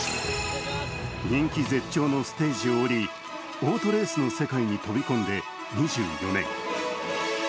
人気絶頂のステージを降り、オートレースの世界に飛び込んで２４年。